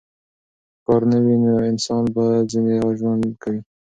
که کار نه وي نو انسان به څنګه ژوند کوي؟